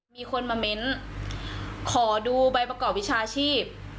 มีคนมาเม้นขอดูใบประกอบวิชาชีพ